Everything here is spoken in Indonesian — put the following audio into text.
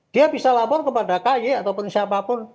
dia bisa lapor kepada ky ataupun siapapun